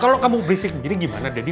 kalau kamu berisik begini gimana daddy